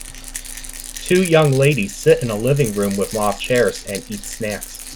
Two young ladies sit in a living room with mauve chairs and eat snacks.